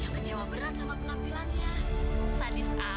saya tahu sebab kematian yuyo